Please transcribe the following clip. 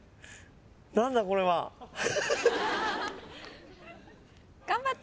何だこれは？頑張って！